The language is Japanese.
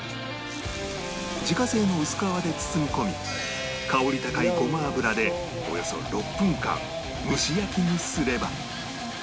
自家製の薄皮で包み込み香り高いごま油でおよそ６分間蒸し焼きにすれば